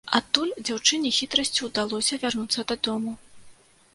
Адтуль дзяўчыне хітрасцю ўдалося вярнуцца дадому.